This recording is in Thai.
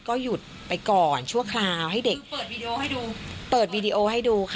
ก็หยุดไปก่อนชั่วคราวให้เด็กเปิดวีดีโอให้ดูค่ะ